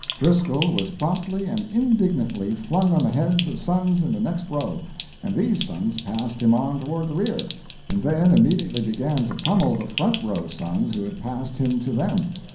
Driscoll was promptly and indignantly flung on to the heads of Sons in the next row, and these Sons passed him on toward the rear, and then immediately began to pummel the front row Sons who had passed him to them.